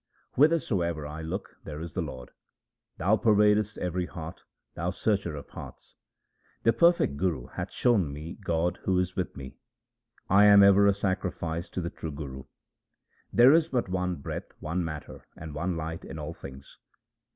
Whithersoever I look, there is the Lord. Thou pervadest every heart, Thou Searcher of hearts. The perfect Guru hath shown me God who is with me ; I am ever a sacrifice to the true Guru. There is but one breath, one matter, and one light in all things.